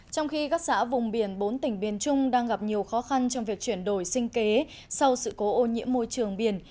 trong khi các xã vùng biển bốn tỉnh biển trung đang gặp nhiều khó khăn trong việc chuyển đổi sinh kế sau sự cố ô nhiễm môi trường biển